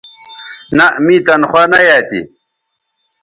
نہء می تنخوا نہ یایئ تھی